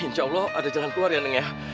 insya allah ada jalan keluar ya neng